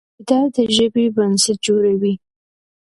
قاعده د ژبي بنسټ جوړوي.